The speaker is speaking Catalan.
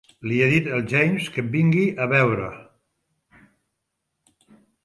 Li he dit al James que et vingui a veure.